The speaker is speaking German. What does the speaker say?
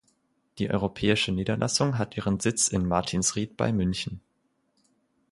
Die europäische Niederlassung hat ihren Sitz in Martinsried bei München.